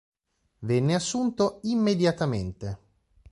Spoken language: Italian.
Venne assunto immediatamente.